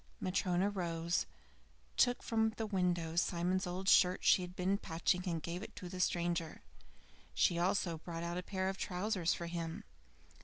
Matryona rose, took from the window Simon's old shirt she had been patching, and gave it to the stranger. She also brought out a pair of trousers for him.